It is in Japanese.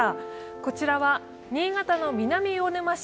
こちらは新潟の南魚沼市。